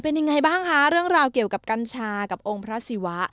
เป็นยังไงบ้างคะเรื่องราวเกี่ยวกับกัญชากับองค์พระศิวะ